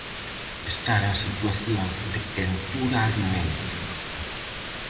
Estar en situación de quentura-alimento.